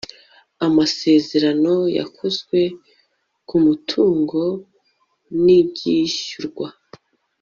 amazerano yakozwe k umutungo n ibyishyurwa